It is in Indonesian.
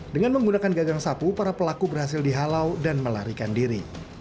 dengan menggunakan gagang sapu para pelaku berhasil dihalau dan melarikan diri